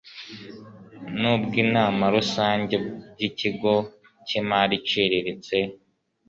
n ubw inama rusange by ikigo cy imari iciriritse